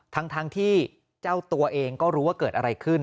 ทั้งที่เจ้าตัวเองก็รู้ว่าเกิดอะไรขึ้น